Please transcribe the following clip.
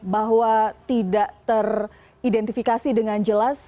bahwa tidak teridentifikasi dengan jelas